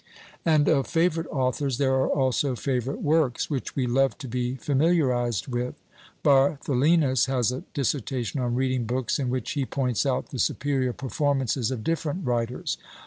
And of favourite authors there are also favourite works, which we love to be familiarised with. Bartholinus has a dissertation on reading books, in which he points out the superior performances of different writers.